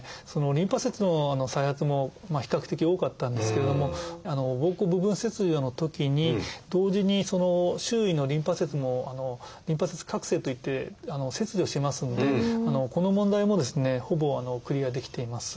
リンパ節の再発も比較的多かったんですけれども膀胱部分切除のときに同時に周囲のリンパ節もリンパ節郭清といって切除しますんでこの問題もほぼクリアできています。